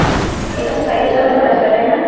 এটা তো সাইকেল চালানোর রাস্তা, তাই না?